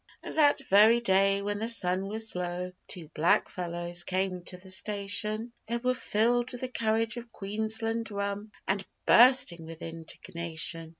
And that very day, when the sun was low, Two blackfellows came to the station; They were filled with the courage of Queensland rum And bursting with indignation.